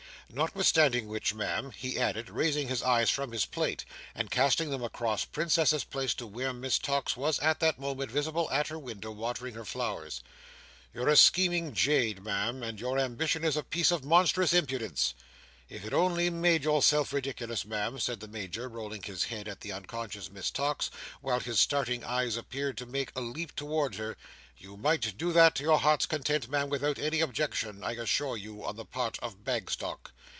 Notwithstanding which, Ma'am," he added, raising his eyes from his plate, and casting them across Princess's Place, to where Miss Tox was at that moment visible at her window watering her flowers, "you're a scheming jade, Ma'am, and your ambition is a piece of monstrous impudence. If it only made yourself ridiculous, Ma'am," said the Major, rolling his head at the unconscious Miss Tox, while his starting eyes appeared to make a leap towards her, "you might do that to your heart's content, Ma'am, without any objection, I assure you, on the part of Bagstock."